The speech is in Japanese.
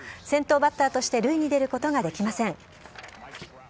先頭バッターとして塁に出ることができません。